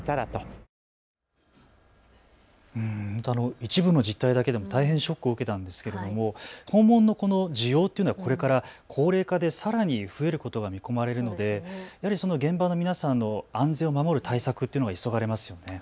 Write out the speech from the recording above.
一部の実態だけでも大変ショックを受けたんですけれども訪問のこの需要というのはこれから高齢化でさらに増えることが見込まれるのでやはり現場の皆さんの安全を守る対策というのが急がれますよね。